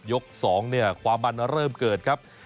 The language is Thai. ๒เนี่ยความมันเริ่มเกิดครับ